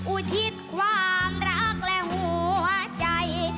อุทิศความรักและหัวใจ